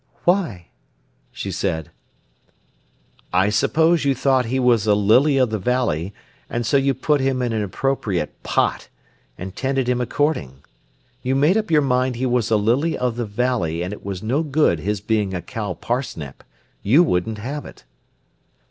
"Why?" she said. "I suppose you thought he was a lily of the valley, and so you put him in an appropriate pot, and tended him according. You made up your mind he was a lily of the valley and it was no good his being a cow parsnip. You wouldn't have it."